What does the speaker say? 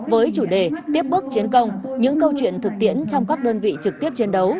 với chủ đề tiếp bước chiến công những câu chuyện thực tiễn trong các đơn vị trực tiếp chiến đấu